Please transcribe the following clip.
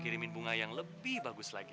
kirimin bunga yang lebih bagus lagi